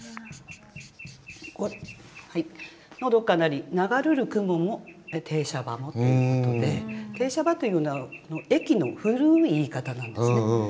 「長閑なり流るる雲も停車場も」ということで「停車場」というのは駅の古い言い方なんですね。